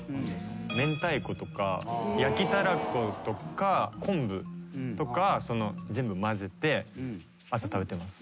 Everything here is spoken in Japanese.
めんたいことか焼きたらことか昆布とか全部まぜて朝食べてます。